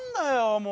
もう。